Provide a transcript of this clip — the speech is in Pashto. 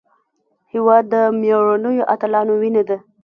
هېواد د مېړنیو اتلانو وینه ده.